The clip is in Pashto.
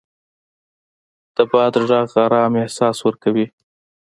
د باد غږ ارام احساس ورکوي